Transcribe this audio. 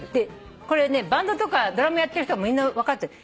これねバンドとかドラムやってる人みんな分かってる。